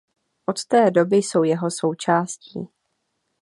Od té doby jsou jeho součástí.